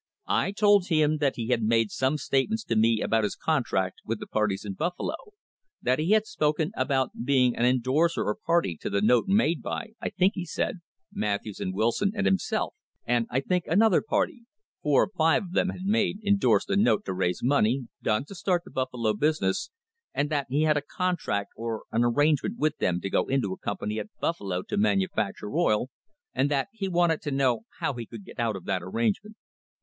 I told him that he had made some statements to me about his contract with the parties in Buffalo; that he had spoken about being an endorser or party to the note made by, I think he said, Matthews and Wilson and himself, and I think another party four or five of them had made, endorsed a note to raise money, done to start the Buffalo business, and that he had a contract or an arrangement with them to go into a company at Buffalo to manufacture oil, and that he wanted to know how he could get out of that arrangement.